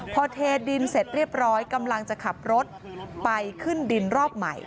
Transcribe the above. พอเทดินเสร็จเรียบร้อยกำลังจะขับรถไปขึ้นดินรอบใหม่